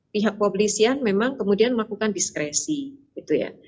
pihak polisian memang kemudian melakukan diskresi gitu ya